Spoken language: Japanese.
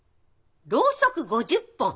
ろうそく５０本？